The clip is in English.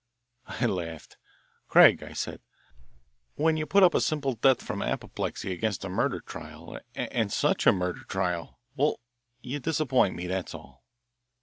I laughed. "Craig," I said, "when you put up a simple death from apoplexy against a murder trial, and such a murder trial; well, you disappoint me that's all."